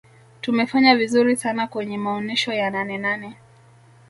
tumefanya vizuri sana kwenye maonesho ya nanenane